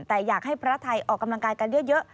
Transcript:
แต่อยากให้พระไทยออกกำลังกายกันเยอะ